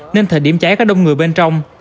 nên thời điểm cháy có đông người bên trong